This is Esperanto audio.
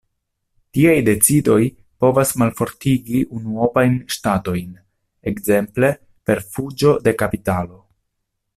Tiaj decidoj povas malfortigi unuopajn ŝtatojn, ekzemple per fuĝo de kapitalo.